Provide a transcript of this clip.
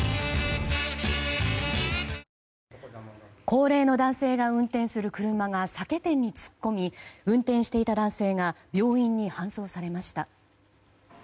高齢の男性が運転する車が酒店に突っ込み運転していた男性が病院に搬送されました。